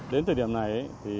đến thời điểm này